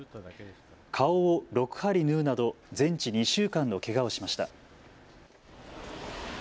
顔を６針縫うなど全治２週間のけがをしました。